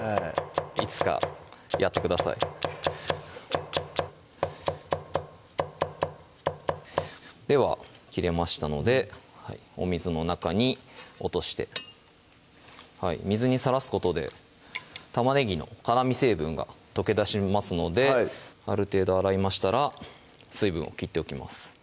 いつかやってくださいでは切れましたのでお水の中に落として水にさらすことで玉ねぎの辛み成分が溶け出しますのである程度洗いましたら水分を切っておきます